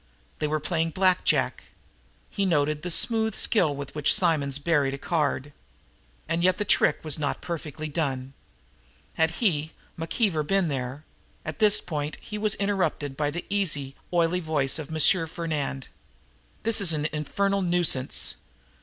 They were playing Black Jack. He noted the smooth skill with which Simonds buried a card. And yet the trick was not perfectly done. Had he, McKeever, been there At this point he was interrupted by the easy, oily voice of M. Fernand. "This is an infernal nuisance!"